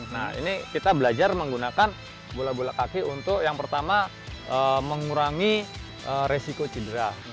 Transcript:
nah ini kita belajar menggunakan bola bola kaki untuk yang pertama mengurangi resiko cedera